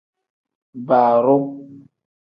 Baaroo.